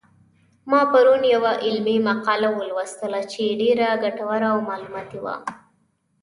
ما پرون یوه علمي مقاله ولوستله چې ډېره ګټوره او معلوماتي وه